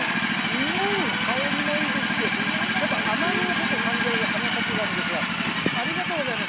うーん、香りもいいですし、やっぱ甘みも結構感じられる花咲がにですが、ありがとうございます。